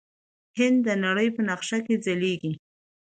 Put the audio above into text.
هند د نړۍ په نقشه کې ځلیږي.